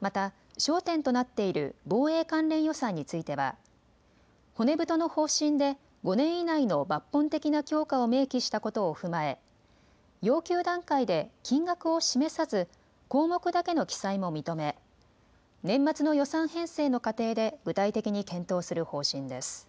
また焦点となっている防衛関連予算については骨太の方針で５年以内の抜本的な強化を明記したことを踏まえ要求段階で金額を示さず項目だけの記載も認め年末の予算編成の過程で具体的に検討する方針です。